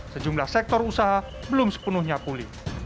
sejumlah sektor usaha belum sepenuhnya pulih